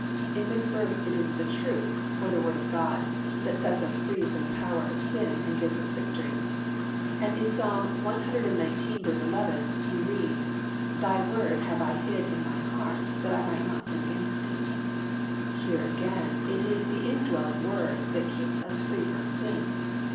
In this verse it is the truth, or the Word of God, that sets us free from the power of sin and gives us victory. And in Ps. cxix. 11 we read, "Thy Word have I hid in my heart, that I might not sin against Thee." Here again it is the indwelling Word that keeps us free from sin.